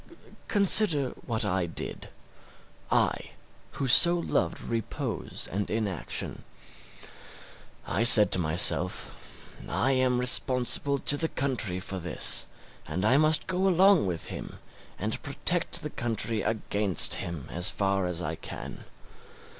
Consider what I did I who so loved repose and inaction. I said to myself, I am responsible to the country for this, and I must go along with him and protect the country against him as far as I can.